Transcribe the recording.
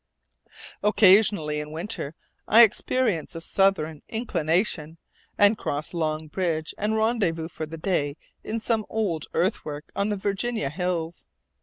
Occasionally in winter I experience a southern inclination, and cross Long Bridge and rendezvous for the day in some old earthwork on the Virginia hills.